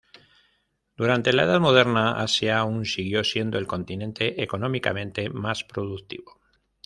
Durante la Edad Moderna, Asia aún siguió siendo el continente económicamente más productivo.